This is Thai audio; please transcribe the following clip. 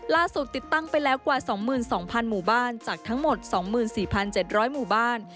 ติดตั้งไปแล้วกว่า๒๒๐๐หมู่บ้านจากทั้งหมด๒๔๗๐๐หมู่บ้าน